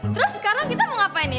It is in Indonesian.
terus sekarang kita mau ngapain nih